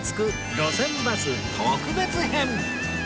路線バス』特別編